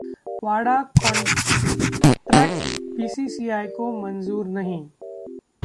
वाडा contract BCCI को मंजूर नहीं